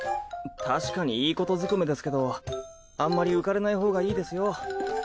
確かにいいことづくめですけどあんまり浮かれないほうがいいですよ。